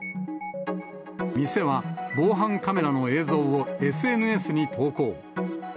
店は防犯カメラの映像をＳＮＳに投稿。